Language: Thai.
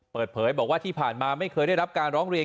เปิดเผยบอกว่าที่ผ่านมาไม่เคยได้รับการร้องเรียน